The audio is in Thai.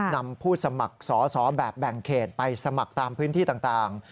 นำผู้สมัครสอสอแบบแบ่งเขตไปสมัครตามพื้นที่ต่าง